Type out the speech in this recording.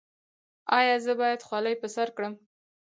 ایا زه باید خولۍ په سر کړم؟